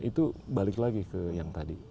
itu balik lagi ke yang tadi